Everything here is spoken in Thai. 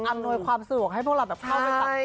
อำนวยความสุขให้พวกเรา